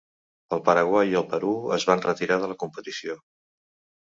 El Paraguai i el Perú es van retirar de la competició.